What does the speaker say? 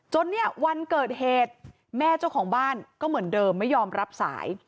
เนี่ยวันเกิดเหตุแม่เจ้าของบ้านก็เหมือนเดิมไม่ยอมรับสาย